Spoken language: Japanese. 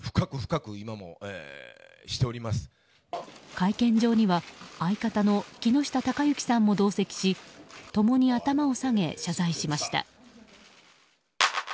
会見場には相方の木下隆行さんも同席し共に頭を下げ謝罪しました。